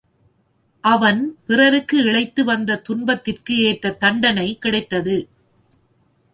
அவன் பிறருக்கு இழைத்து வந்த துன்பத்திற்கு ஏற்ற தண்டனை கிடைத்தது.